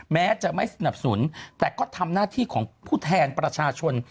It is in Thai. แม้จะไม่สนับสนุนแต่ก็ทำหน้าที่ของผู้แทนประชาชน